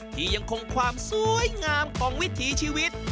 ที่ยังคงความสวยงามของวิถีชีวิต